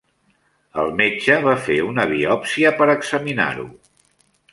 El metge va fer una biòpsia per examinar-ho.